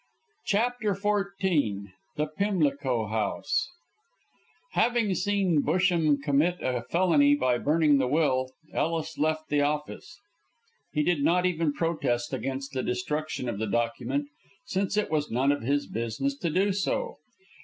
CHAPTER XIV THE PIMLICO HOUSE Having seen Busham commit a felony by burning the will, Ellis left the office. He did not even protest against the destruction of the document, since it was none of his business to do so.